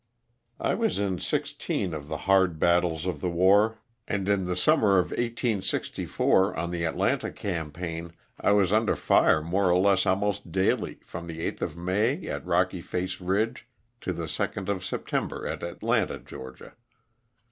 I was in sixteen of the hard battles of the war, and 292 LOSS OF THE SULTANA. in the summer of 1864 on the Atlanta campaign I was under fire more or less almost daily from the 8th of May at Kocky Face Ridge to the 2d of September at Atlanta, Ga.